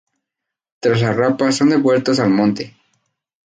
Tras la rapa son devueltos al monte.